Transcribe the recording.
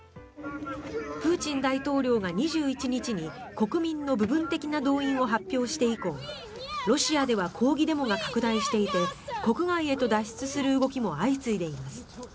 プーチン大統領が２１日に国民の部分的な動員を発表して以降ロシアでは抗議デモが拡大していて国外へと脱出する動きも相次いでいます。